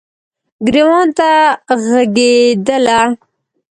ګریوان ته ږغیدله